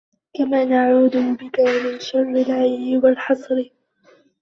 كَمَا نَعُوذُ بِك مِنْ شَرِّ الْعِيِّ وَالْحَصْرِ